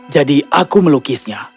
jadi aku melukisnya